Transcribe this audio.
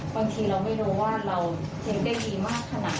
บางทีเราไม่รู้ว่าเราเช็คได้ดีมากขนาดไหน